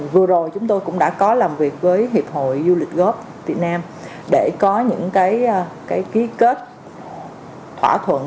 vừa rồi chúng tôi cũng đã có làm việc với hiệp hội du lịch góp việt nam để có những cái ký kết thỏa thuận